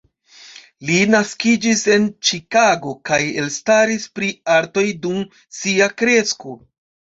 Li naskiĝis en Ĉikago kaj elstaris pri artoj, dum sia kresko.